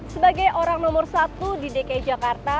sebagai orang nomor satu di dki jakarta